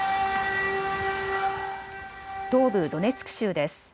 東部ドネツク州です。